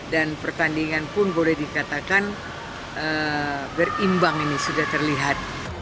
dan pertandingan pun boleh dikatakan berimbang ini sudah terlihat